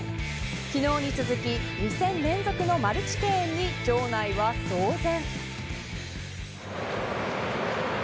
昨日に続き２戦連続のマルチ敬遠に場内は騒然。